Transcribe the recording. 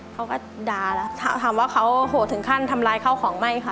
เขาก็ด่าแล้วถามว่าเขาโหดถึงขั้นทำลายข้าวของไม่ค่ะ